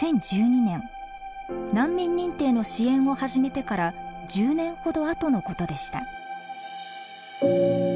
難民認定の支援を始めてから１０年ほど後のことでした。